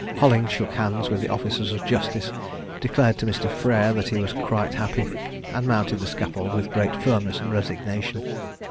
Hollings shook hands with the officers of justice, declared to Mr. Frere that he was quite happy, and mounted the scaffold with great firmness and resignation.